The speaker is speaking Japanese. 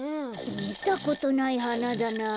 みたことないはなだなあ。